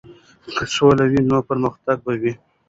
که سوله وي نو پرمختګ به وي.